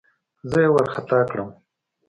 زه يې وارخطا کړم.